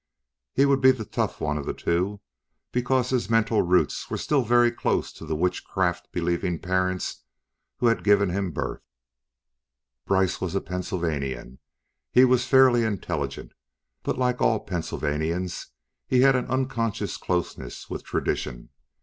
He would be the tough one of the two, because his mental roots were still very close to the witchcraft believing parents who had given him birth. Brice was a Pennsylvanian; he was fairly intelligent, but like all Pennsylvanians he had an unconscious closeness with tradition.